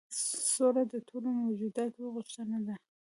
سوله د ټولو موجوداتو غوښتنه ده.